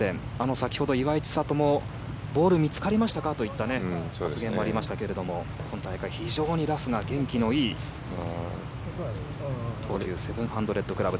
先ほど岩井千怜もボールが見つかりましたかといった発言もありましたが今大会、非常にラフが元気のいい東急セブンハンドレッドクラブ。